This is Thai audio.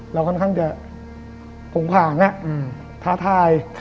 เราค่อนข้างจะผงผางท้าทาย